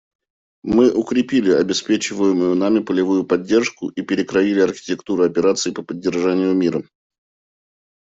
Мы укрепили обеспечиваемую нами полевую поддержку и перекроили архитектуру операций по поддержанию мира.